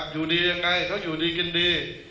อยู่ดียังไงเขาอยู่ดีกินดี